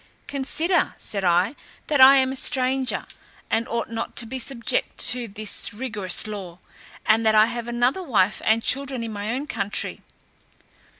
"Consider," said I, "that I am a stranger, and ought not to be subject to this rigorous law, and that I have another wife and children in my own country."